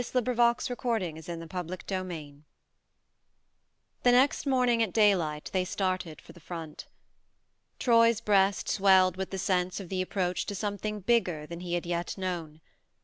Troy faced eastward with a heavy heart. ... IX THE next morning at daylight they started for the front. Troy's breast swelled with the sense of the approach to something bigger than he had yet known.